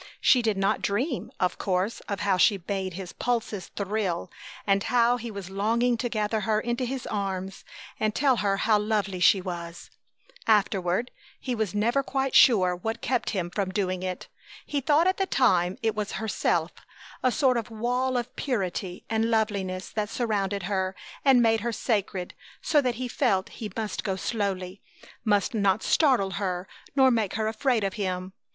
She did not dream, of course, of how she made his pulses thrill and how he was longing to gather her into his arms and tell her how lovely she was. Afterward he was never quite sure what kept him from doing it. He thought at the time it was herself, a sort of wall of purity and loveliness that surrounded her and made her sacred, so that he felt he must go slowly, must not startle her nor make her afraid of him.